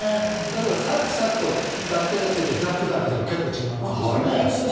サクサクと濁点がついてザクザクだと違いますよね。